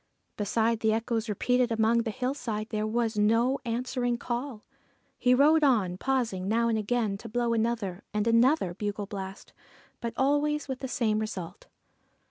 Beside the echoes repeated among the hillsides, there was no answering call. He rode on, pausing now and again to blow another and another bugle blast, but always with the same result.